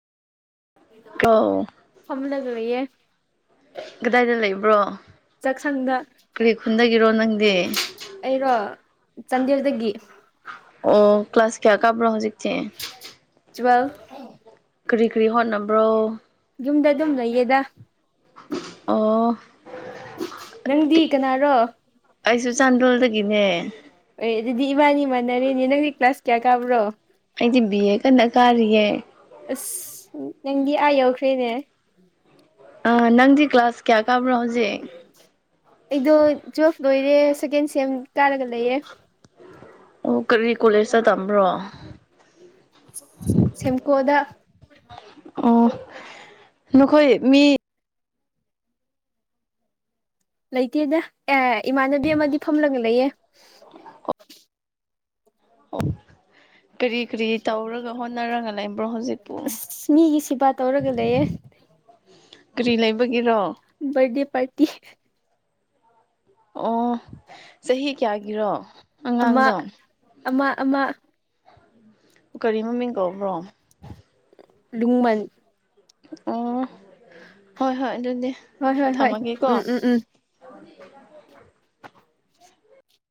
ꯑꯧ ꯐꯝꯂꯒ ꯂꯩꯌꯦꯦ ꯀꯗꯥꯏꯗ ꯂꯩꯕ꯭ꯔꯣ ꯆꯥꯛꯁꯪꯗ ꯀꯔꯤ ꯈꯨꯟꯗꯒꯤꯔꯣ ꯅꯪꯗꯤ ꯑꯩꯔꯣ ꯆꯥꯟꯗꯦꯜꯗꯒꯤ ꯑꯣ ꯀ꯭ꯂꯥꯁ ꯀꯌꯥ ꯀꯥꯕ꯭ꯔꯣ ꯍꯧꯖꯤꯛꯇꯤ ꯇꯨꯋꯦꯜ ꯀꯔꯤ ꯀꯔꯤ ꯍꯣꯠꯅꯕ꯭ꯔꯣ ꯌꯨꯝꯗ ꯑꯗꯨꯝ ꯂꯩꯌꯦꯗ ꯑꯣ ꯅꯪꯗꯤ ꯀꯅꯥꯔꯣ ꯑꯩꯁꯨ ꯆꯥꯟꯗꯦꯜꯗꯒꯤꯅꯦ ꯍꯣꯏ ꯑꯗꯨꯗꯤ ꯏꯕꯥꯅꯤ ꯃꯥꯟꯅꯔꯦꯅꯦ ꯅꯪꯒꯤ ꯀ꯭ꯂꯥꯁ ꯀꯌꯥ ꯀꯥꯕ꯭ꯔꯣ ꯑꯩꯗꯤ ꯕꯤ ꯑꯦ ꯀꯟꯅ ꯀꯥꯔꯤꯌꯦ ꯑꯁ ꯅꯪꯒꯤ ꯑ ꯌꯧꯈꯅꯦ ꯑ ꯅꯪꯗꯤ ꯀ꯭ꯂꯥꯁ ꯀꯌꯥꯦ ꯑꯩꯗꯣ ꯇꯨꯋꯦꯜꯐ ꯂꯣꯏꯔꯦ ꯁꯦꯀꯦꯟ ꯁꯦꯝ ꯀꯥꯔꯒ ꯂꯩꯌꯦꯦ ꯑꯣ ꯀꯔꯤ ꯀꯣꯂꯦꯖꯇ ꯇꯝꯕ꯭ꯔꯣ ꯁꯝꯀꯣꯗ ꯑꯣ ꯅꯈꯣꯏ ꯃꯤ ꯂꯩ ꯂꯩꯇꯦꯗ ꯑꯦ ꯏꯃꯥꯟꯅꯕꯤ ꯑꯃꯗꯤ ꯐꯝꯂꯒ ꯂꯩꯌꯦ ꯑ ꯂꯩꯕ꯭ꯔꯣ ꯍꯧꯖꯤꯛꯄꯨ ꯑꯁ ꯃꯤꯒꯤ ꯁꯤꯦꯕꯥ ꯇꯧꯔꯒ ꯂꯩꯌꯦꯦ ꯀꯔꯤ ꯂꯩꯕꯒꯤꯔꯣ ꯕꯥꯔꯗꯦ ꯄꯥꯔꯇꯤ ꯑꯣ ꯆꯍꯤ ꯀꯌꯥꯒꯤꯔꯣ ꯑꯃ ꯑꯉꯥꯡꯗꯣ ꯑꯃꯥ ꯑꯃꯥ ꯀꯔꯤ ꯃꯃꯤꯡ ꯀꯧꯕ꯭ꯔꯣ ꯂꯨꯡꯃꯟ ꯑ ꯍꯣꯏ ꯍꯣꯏ ꯑꯗꯨꯗꯤ ꯍꯣꯏ ꯍꯣꯏ ꯍꯣꯏ ꯊꯝꯃꯒꯦꯀꯣ ꯎꯝ [inaudible] ꯎꯝ ꯎꯝ